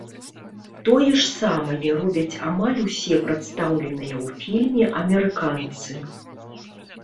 Тое ж самае робяць амаль усе прадстаўленыя ў фільме амерыканцы.